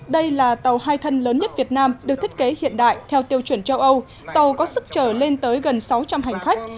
đây là tàu hai thân lớn nhất việt nam được thiết kế hiện đại theo tiêu chuẩn châu âu tàu có sức trở lên tới gần sáu trăm linh hành khách